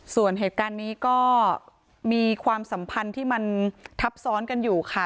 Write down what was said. ส่วนเหตุการณ์นี้ก็มีความสัมพันธ์ที่มันทับซ้อนกันอยู่ค่ะ